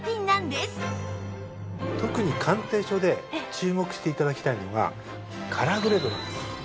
特に鑑定書で注目して頂きたいのがカラーグレードなんです。